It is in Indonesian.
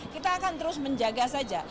kita akan terus menjaga saja